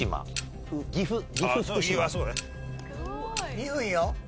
２分よ。